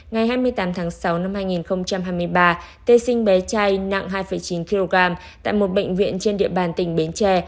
ngày hai mươi tám tháng sáu năm hai nghìn hai mươi ba t sinh bé trai nặng hai chín kg tại một bệnh viện trên địa bàn tỉnh bến tre